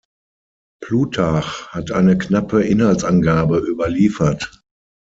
Plutarch hat eine knappe Inhaltsangabe überliefert.